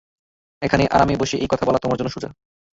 এখানে আরামে বসে এই কথা বলা তোমার জন্য সোজা।